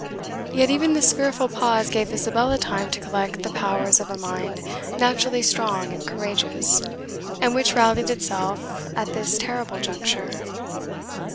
Yet even this fearful pause gave Isabella time to collect the powers of a mind naturally strong and courageous, and which rallied itself at this terrible juncture.